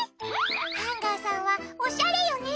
ハンガーさんはオシャレよね。